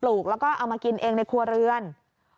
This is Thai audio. ปลูกแล้วเอากินเองในครัวเรื่อง